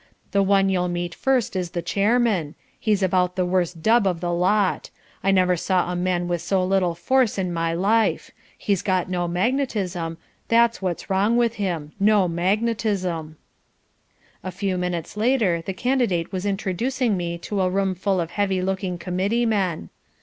The one you'll meet first is the chairman he's about the worst dub of the lot; I never saw a man with so little force in my life. He's got no magnetism, that's what's wrong with him no magnetism." A few minutes later the Candidate was introducing me to a roomful of heavy looking Committee men.